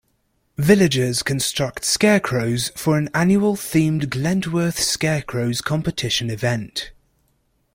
Villagers construct scarecrows for an annual themed 'Glentworth Scarecrows' competition event.